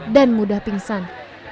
dan mudah pingsan